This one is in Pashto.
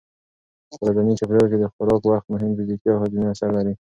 په ورځني چاپېریال کې د خوراک وخت مهم فزیکي او هاضمي اثر لري.